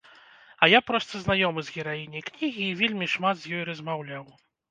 А я проста знаёмы з гераіняй кнігі і вельмі шмат з ёй размаўляў.